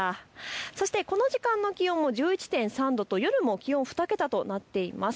そしてこの時間の気温も１１．３度と夜も気温２桁となっています。